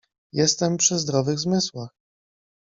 Jestem przy zdrowych zmysłach!